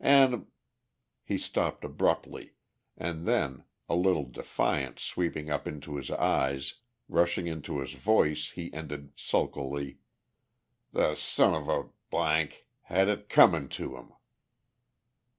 an'...." He stopped abruptly, and then, a little defiance sweeping up into his eyes, rushing into his voice, he ended sulkily, "The son of a had it comin' to him!"